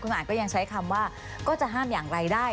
อาจก็ยังใช้คำว่าก็จะห้ามอย่างไรได้